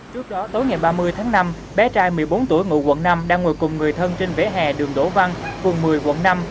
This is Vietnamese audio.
trước đó tối ngày ba mươi tháng năm bé trai một mươi bốn tuổi ngụ quận năm đang ngồi cùng người thân trên vỉa hè đường đỗ văn phường một mươi quận năm